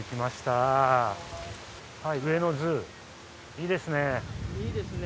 ⁉いいですね。